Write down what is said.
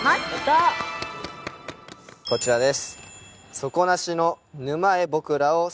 こちらです。